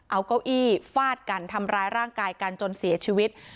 เอาเก้าอี้ฟาดกันทำร้ายร่างกายกันจนเสียชีวิต